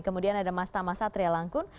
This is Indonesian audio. kemudian ada mas tama satria langkun